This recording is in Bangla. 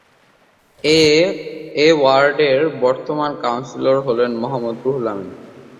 এ ওয়ার্ডের বর্তমান কাউন্সিলর হলেন মোহাম্মদ রুহুল আমিন।